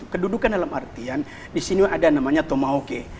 kedudukan dalam artian di sini ada namanya tomauke